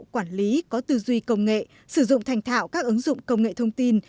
quản lý có tư duy công nghệ sử dụng thành thạo các ứng dụng công nghệ thông tin